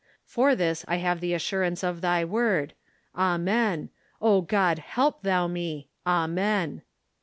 For this I have the assurance of thy Word. Amen. O God, help thou me ! Amen."